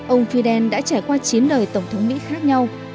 ông fidel đã trải qua chín đời tổng thống mỹ khác nhau